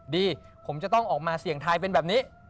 ดีผมจะต้องออกมาเสี่ยงทายเป็นแบบนี้